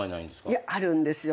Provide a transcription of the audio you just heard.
いやあるんですよ